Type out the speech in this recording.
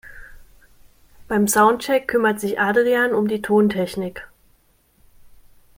Beim Soundcheck kümmert sich Adrian um die Tontechnik.